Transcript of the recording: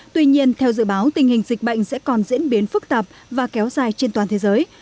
tuy nhiên theo dự báo tình hình dịch bệnh sẽ còn diễn biến phức tạp và kéo dài trên toàn thế giới